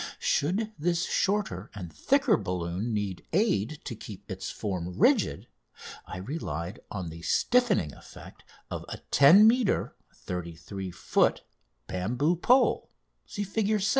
Should this shorter and thicker balloon need aid to keep its form rigid I relied on the stiffening effect of a 10 metre (33 foot) bamboo pole (Fig.